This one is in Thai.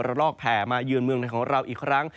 ว่ารอกแผ่มายืนเมืองของเราอีกครั้ง